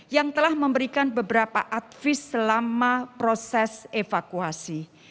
yang telah memberikan beberapa advis selama proses evakuasi